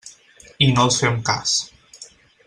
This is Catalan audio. I no els fem cas.